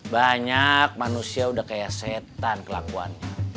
banyak manusia udah kayak setan kelakuannya